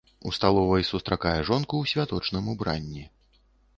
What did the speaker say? У сталовай сустракае жонку ў святочным убранні.